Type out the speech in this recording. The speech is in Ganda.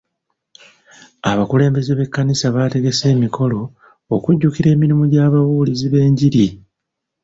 Abakulembeze b'ekkanisa bategese emikolo okujjukira emirimu gy'ababuulizi b'enjiri.